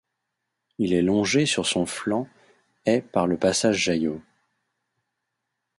Il est longé sur son flanc est par le passage Jaillot.